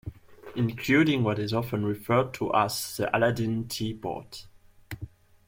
Including what is often referred to as the Aladdin tea pot.